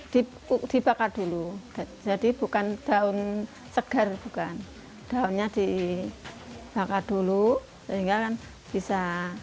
dibakar dulu jadi bukan daun segar bukan daunnya dibakar dulu sehingga kan bisa